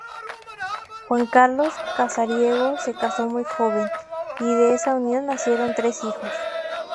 Juan Carlos Casariego se casó muy joven, y de esa unión nacieron tres hijos.